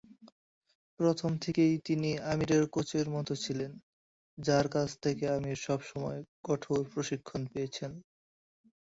প্রথম থেকেই তিনি আমিরের কোচের মতো ছিলেন, যার কাছ থেকে আমির সবসময় কঠোর প্রশিক্ষণ পেয়েছেন।